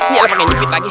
ya pakai jepit lagi